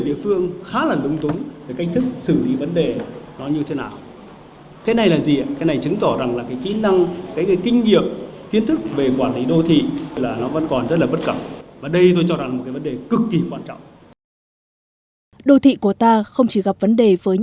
đô thị của ta không chỉ gặp vấn đề với những đô thị